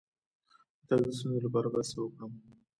د تګ د ستونزې لپاره باید څه وکړم؟